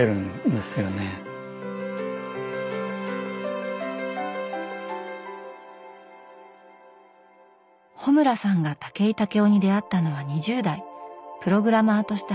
穂村さんが武井武雄に出会ったのは２０代プログラマーとして働いていた時のこと。